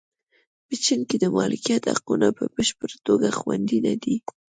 په چین کې د مالکیت حقونه په بشپړه توګه خوندي نه دي.